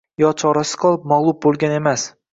Yo chorasiz qolib, mag‘lub bo‘lgan emas